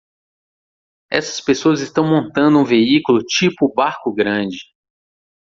Essas pessoas estão montando um veículo tipo barco grande.